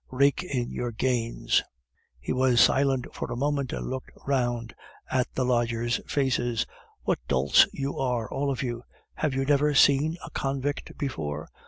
Rake in your gains." He was silent for a moment, and looked round at the lodgers' faces. "What dolts you are, all of you! Have you never seen a convict before?